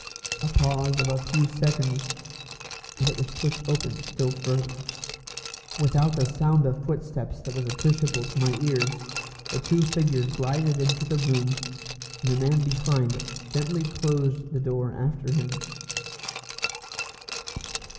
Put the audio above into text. A pause of a few seconds, and it was pushed open still further. Without a sound of footsteps that was appreciable to my ears, the two figures glided into the room, and the man behind gently closed the door after him.